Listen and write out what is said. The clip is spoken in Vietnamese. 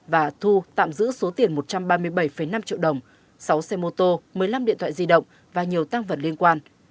và thu tạm giữ số tiền một trăm ba mươi bảy năm triệu đồng sáu xe mô tô một mươi năm điện thoại di động và nhiều tăng vật liên quan